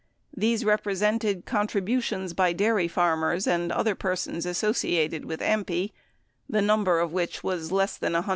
These repre sented contributions by dairy farmers and other persons associated with AMPI, the number of which was less than 100.